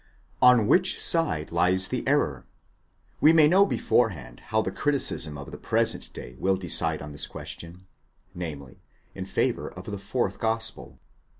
®. On which side lies the error? We may know beforehand how the criticism of the present day will decide on this question: namely, in favour of the fourth gospel.